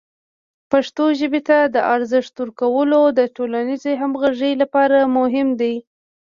پښتو ژبې ته د ارزښت ورکول د ټولنیزې همغږۍ لپاره مهم دی.